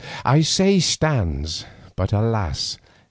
I say stands, but alas!